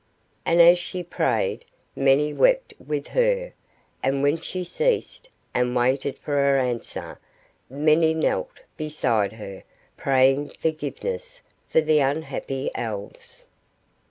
And as she prayed, many wept with her; and when she ceased, and waited for her answer, many knelt beside her, praying forgiveness for the unhappy Elves.